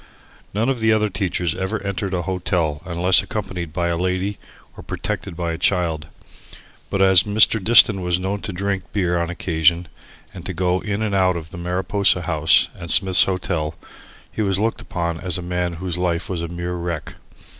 None of the other teachers ever entered a hotel unless accompanied by a lady or protected by a child. But as Mr. Diston was known to drink beer on occasions and to go in and out of the Mariposa House and Smith's Hotel, he was looked upon as a man whose life was a mere wreck.